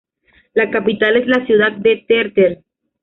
La capital es la ciudad de Tərtər.